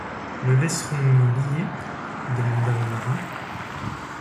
Le laisserons-nous lié? demanda le marin.